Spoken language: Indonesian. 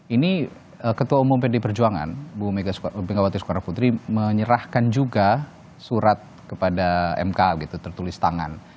ini ketua umum pd perjuangan bu megawati soekarno putri menyerahkan juga surat kepada mk gitu tertulis tangan